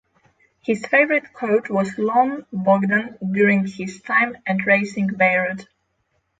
His favourite coach was Ion Bogdan during his time at Racing Beirut.